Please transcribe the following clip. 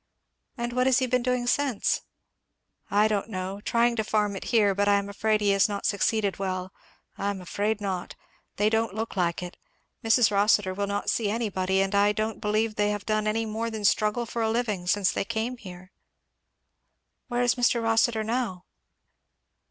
"And what has he been doing since?' "I don't know! trying to farm it here; but I am afraid he has not succeeded well I am afraid not. They don't look like it. Mrs. Rossitur will not see anybody, and I don't believe they have done any more than struggle for a living since they came here." "Where is Mr. Rossitur now?"